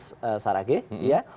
sovinu sarage ya